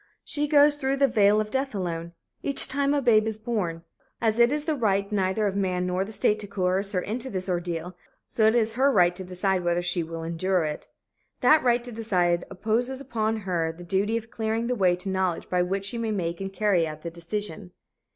She goes through the vale of death alone, each time a babe is born. As it is the right neither of man nor the state to coerce her into this ordeal, so it is her right to decide whether she will endure it. That right to decide imposes upon her the duty of clearing the way to knowledge by which she may make and carry out the decision.